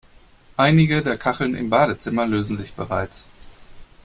Einige der Kacheln im Badezimmer lösen sich bereits.